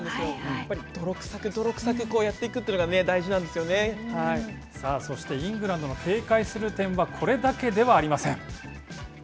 やっぱり泥くさく、泥くさくやっていくというのが、大事なんさあ、そしてイングランドの警戒する点は、これだけではありません。